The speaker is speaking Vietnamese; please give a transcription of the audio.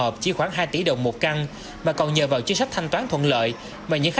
thì khách hàng trẻ thì họ